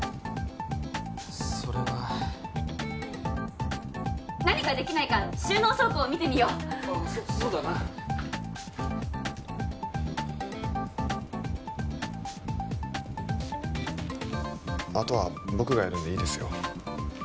それは何かできないか収納倉庫を見てみようああそそうだなあとは僕がやるんでいいですよ